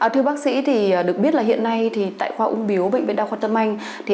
thưa bác sĩ được biết hiện nay tại khoa ung biếu bệnh viện đa khoa tâm anh